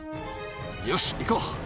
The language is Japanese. よし、行こう。